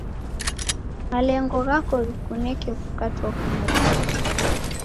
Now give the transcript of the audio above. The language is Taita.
Malengo ghako ghikuneke kukatwa kumoni.